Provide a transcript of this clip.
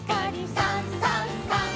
「さんさんさん」